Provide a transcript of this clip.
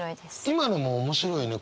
今のも面白いね。